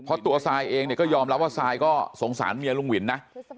เพราะตัวซายเองเนี่ยก็ยอมรับว่าซายก็สงสารเมียลุงวินนะ